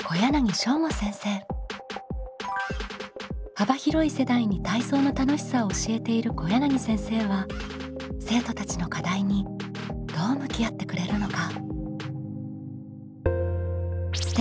幅広い世代に体操の楽しさを教えている小柳先生は生徒たちの課題にどう向き合ってくれるのか？